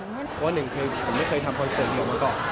เพราะว่าหนึ่งคือผมไม่เคยทำคอนเสิร์ตเดียวมาก่อน